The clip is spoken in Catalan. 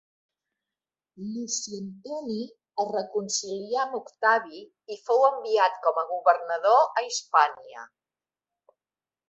Luci Antoni es reconcilià amb Octavi i fou enviat com a governador a Hispània.